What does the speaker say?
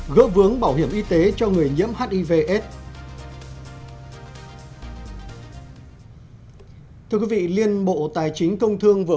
gỡ vướng bảo hiểm y tế cho người nhiễm hiv s thưa quý vị liên bộ tài chính công thương vừa